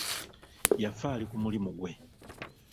Yafa ali ku mulimu gwe.